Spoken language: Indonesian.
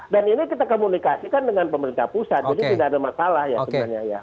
dan ini kita komunikasikan dengan pemerintah pusat jadi tidak ada masalah ya sebenarnya